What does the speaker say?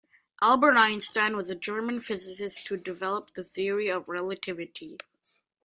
Albert Einstein was a German physicist who developed the Theory of Relativity.